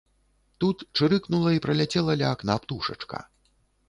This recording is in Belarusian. Тут чырыкнула і праляцела ля акна птушачка.